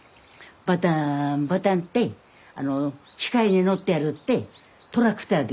バターンバターンって機械に乗ってあるってトラクターで。